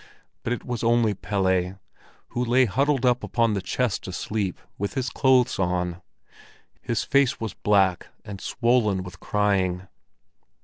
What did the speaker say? But it was only Pelle, who lay huddled up upon the chest asleep, with his clothes on. His face was black and swollen with crying.